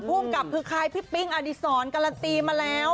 ผู้กับคือคลายพี่ปิ้งอดีศรกรรตีมาแล้ว